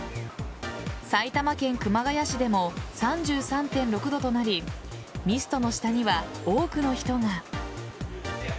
埼玉県熊谷市でも３３．６度となりミストの下には多くの人が。